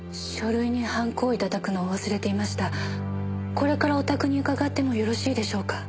「これからお宅に伺ってもよろしいでしょうか？」